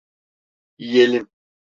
Yiyelim…